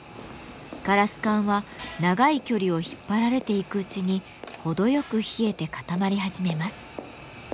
ガラス管は長い距離を引っ張られていくうちに程よく冷えて固まり始めます。